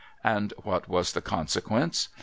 And what was the consequence ?